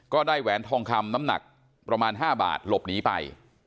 แหวนทองคำน้ำหนักประมาณ๕บาทหลบหนีไป